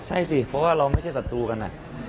ใช่สิเพราะว่าเราไม่ใช่ศัตรูกัน